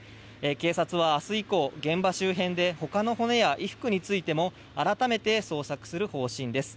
警察は明日以降、現場周辺で他の骨や衣服についても改めて捜索する方針です。